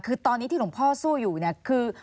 คือตอนนี้ที่หลวงพ่อสู้อยู่เนี่ยคือ